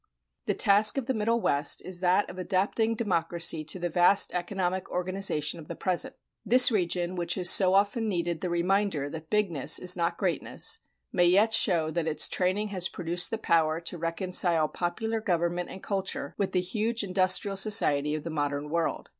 The task of the Middle West is that of adapting democracy to the vast economic organization of the present. This region which has so often needed the reminder that bigness is not greatness, may yet show that its training has produced the power to reconcile popular government and culture with the huge industrial society of the modern world.